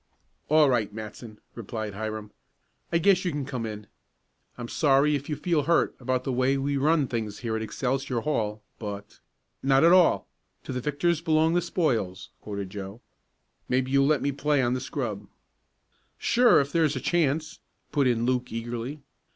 "All right, Matson," replied Hiram. "I guess you can come in. I'm sorry if you feel hurt about the way we run things here at Excelsior Hall, but " "Not at all 'to the victors belong the spoils,'" quoted Joe. "Maybe you'll let me play on the scrub." "Sure, if there's a chance," put in Luke eagerly.